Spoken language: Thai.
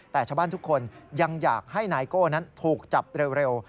แต่ชาวบ้านทุกคนยังอยากให้นายโก้นั้นถูกจับเร็ว